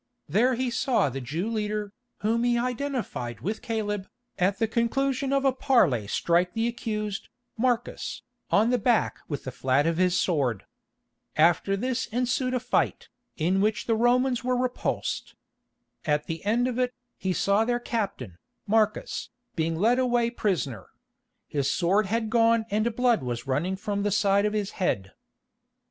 There he saw the Jew leader, whom he identified with Caleb, at the conclusion of a parley strike the accused, Marcus, on the back with the flat of his sword. After this ensued a fight, in which the Romans were repulsed. At the end of it, he saw their captain, Marcus, being led away prisoner. His sword had gone and blood was running from the side of his head.